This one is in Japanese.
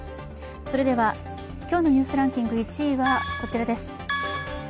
今日の「ニュースランキング」１位はこちらです。